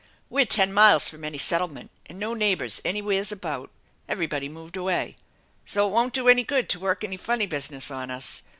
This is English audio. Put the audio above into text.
We're ten miles from any settlement, and no fleighbors anywhere's about. Everybody moved away. So it won't do any good to work any funny business on us.